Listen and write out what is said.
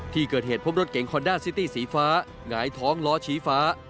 ที่เกิดเหตุพบรถเก๋งคอนด้าซิตี้สีฟ้าหงายท้องล้อชี้ฟ้า